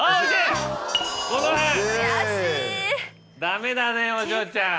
ダメだねお嬢ちゃん。